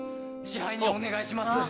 支配人お願いします